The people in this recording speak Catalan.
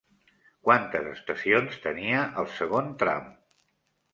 Quantes estacions tenia el segon tram?